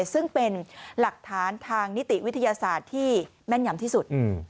ซึ่งเป็นหลักฐานทางนิติวิทยาศาสตร์ที่แม่นยำที่สุด